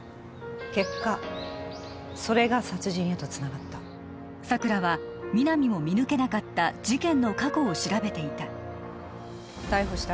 結果それが殺人へとつながった佐久良は皆実も見抜けなかった事件の過去を調べていた逮捕した